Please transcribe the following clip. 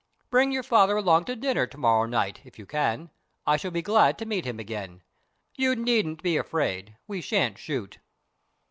Bring your father along to dinner to morrow night, if you can; I shall be glad to meet him again. You needn't be afraid: we shan't shoot."